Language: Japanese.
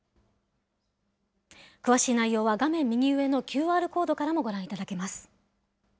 詳しい内容は画面右上のＱＲコードからもご覧いただけます。